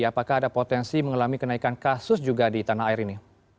apakah ada potensi mengalami kenaikan kasus juga di tanah air ini